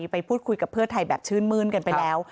ไปพูดคุยกับเพื่อไทยแบบชื่นมื้นกันไปแล้ว